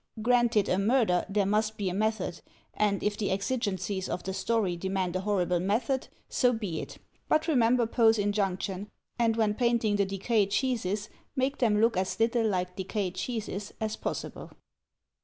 Granted a murder, there must be a method, and if the exigencies of the story demand a horrible method, so be it; but remember Poe's injunction, and when painting the decayed cheeses make them look as little like decayed cheeses as possible.